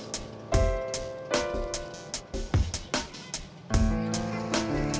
kamu tidak punya perasaan ibu ya